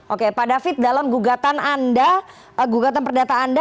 oke pak david dalam gugatan anda gugatan perdata anda